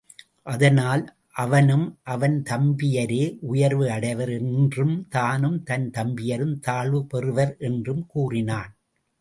அதனால் அவனும் அவன் தம்பியரே உயர்வு அடைவர் என்றும், தானும் தன் தம்பியரும் தாழ்வு பெறுவர் என்றும் கூறினான்.